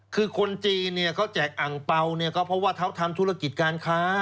คือคนจีนเนี่ยเขาแจกอังเปล่าเนี่ยก็เพราะว่าเขาทำธุรกิจการค้า